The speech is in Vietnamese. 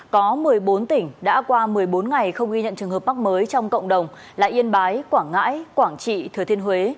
có một mươi bốn tỉnh đã qua một mươi bốn ngày không ghi nhận trường hợp mắc mới trong cộng đồng là yên bái quảng ngãi quảng trị thừa thiên huế